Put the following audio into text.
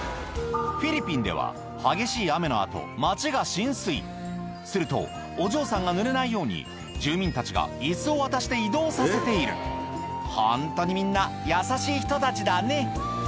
フィリピンでは激しい雨の後町が浸水するとお嬢さんがぬれないように住民たちが椅子を渡して移動させているホントにみんな優しい人たちだね